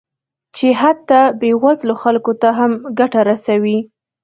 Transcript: چې حتی بې وزلو خلکو ته هم ګټه رسوي